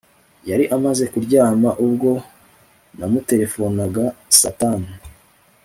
Yari amaze kuryama ubwo namuterefonaga saa tanu